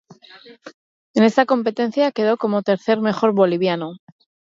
En esta competencia, quedó como tercer mejor boliviano.